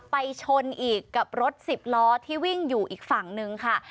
ไปชนอีกกับรถสิบล้อที่วิ่งอยู่อีกฝั่งนึงค่ะ